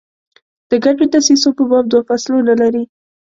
د ګډو دسیسو په باب دوه فصلونه لري.